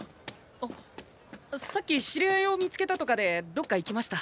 あさっき知り合いを見つけたとかでどっか行きました。